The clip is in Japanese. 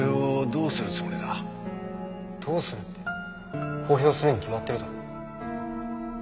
どうするって公表するに決まってるだろ。